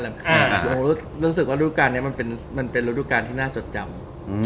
แต่ผมรู้สึกว่ารูดูกตาดมันเป็นลูกดูกตาที่น่าจดจำ